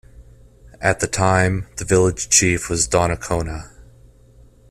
At the time, the village chief was Donnacona.